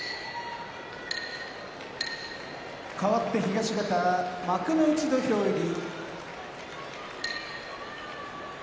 かわって東方幕内土俵入り。